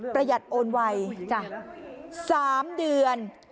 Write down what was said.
ประหยัดโอนไว๓เดือน